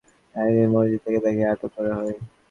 গোপন সংবাদের ভিত্তিতে মহল্লার একটি মসজিদ থেকে তাঁকে আটক করা হয়।